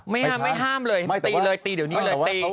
ห้ามไม่ห้ามเลยไม่ตีเลยตีเดี๋ยวนี้เลยตี